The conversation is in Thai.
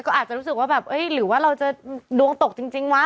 ก็อาจจะรู้สึกว่าแบบหรือว่าเราจะดวงตกจริงวะ